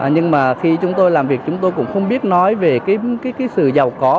nhưng mà khi chúng tôi làm việc chúng tôi cũng không biết nói về cái sự giàu có